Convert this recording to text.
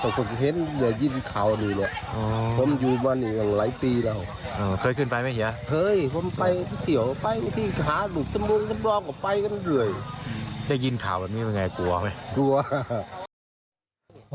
ได้ยินข่าวแบบนี้เป็นไงกลัวไหม